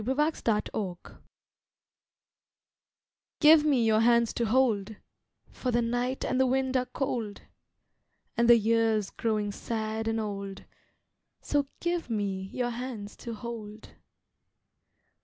HANDS AND LIPS Give me your hands to hold, For the night and the wind are cold, And the year's growing sad and old, So give me your hands to hold.